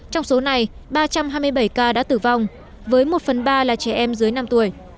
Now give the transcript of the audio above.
trong số này ba trăm hai mươi bảy ca đã tử vong với một phần ba là trẻ em dưới năm tuổi